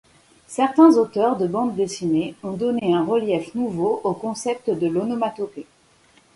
Certains auteurs de bandes dessinées ont donné un relief nouveau au concept de l'onomatopée.